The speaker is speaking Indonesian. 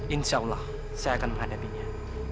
insya allah saya akan menghadapinya